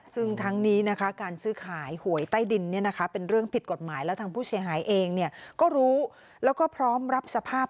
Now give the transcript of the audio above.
ซึ่งทั้งนี้นะคะการซื้อขายหวยใต้ดินเป็นเรื่องผิดกฎหมายแล้วทางผู้เสียหายเองก็รู้แล้วก็พร้อมรับสภาพ